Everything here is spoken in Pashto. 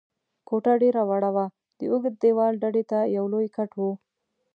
کوټه ډېره وړه وه، د اوږد دېوال ډډې ته یو لوی کټ و.